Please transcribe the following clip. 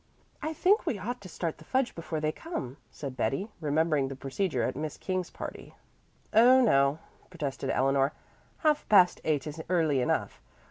"I think we ought to start the fudge before they come," said Betty, remembering the procedure at Miss King's party. "Oh, no," protested Eleanor. "Half past eight is early enough.